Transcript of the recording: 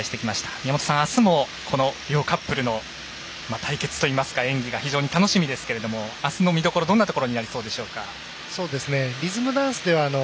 宮本さん、あすもこの両カップルの対決といいますか演技が非常に楽しみですけどもあすの見どころどんなところになりそうでしょうか。